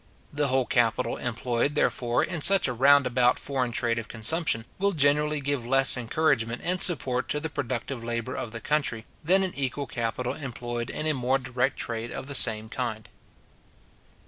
The whole capital employed, therefore, in such a round about foreign trade of consumption, will generally give less encouragement and support to the productive labour of the country, than an equal capital employed in a more direct trade of the same kind.